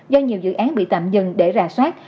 do nhiều dự án bị tạm dừng để rà soát